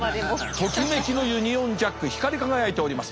ときめきのユニオンジャック光り輝いております。